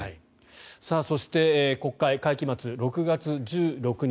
そして国会会期末、６月１６日。